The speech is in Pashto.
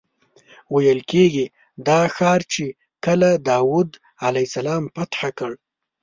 ویل کېږي دا ښار چې کله داود علیه السلام فتح کړ.